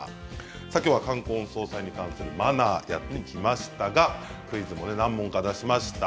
きょうは冠婚葬祭に関するマナー、やってきましたがクイズ、何問かしました。